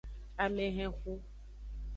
Amehenxu.